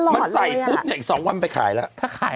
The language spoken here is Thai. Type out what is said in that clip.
มันใส่ปุ๊บเนี่ยอีก๒วันไปขายแล้ว